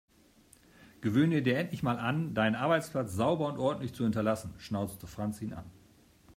Gewöhne dir endlich mal an, deinen Arbeitsplatz sauber und ordentlich zu hinterlassen, schnauzte Franz ihn an.